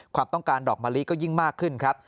ความต้องการดอกมะลิก็ยิ่งมากขึ้นครับ